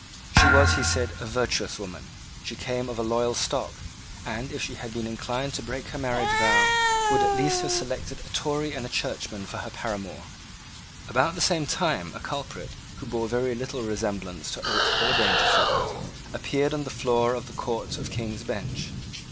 She was, he said, a virtuous woman: she came of a loyal stock, and, if she had been inclined to break her marriage vow, would at least have selected a Tory and a churchman for her paramour. About the same time a culprit, who bore very little resemblance to Oates or Dangerfield, appeared on the floor of the Court of King's Bench.